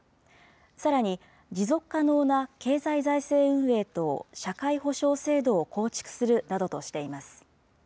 さらに、持続可能な経済財政運営と社会保障制度を構築するなどとしています。